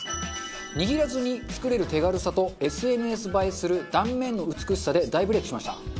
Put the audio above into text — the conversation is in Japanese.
握らずに作れる手軽さとＳＮＳ映えする断面の美しさで大ブレイクしました。